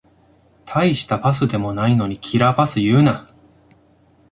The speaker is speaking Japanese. たいしたパスでもないのにキラーパス言うな